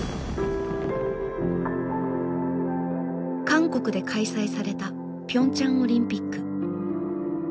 韓国で開催されたピョンチャンオリンピック。